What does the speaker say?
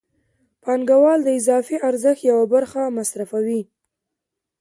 پانګوال د اضافي ارزښت یوه برخه مصرفوي